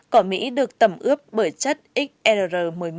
cỏ mỹ được tẩm ướp bởi chất xr một mươi một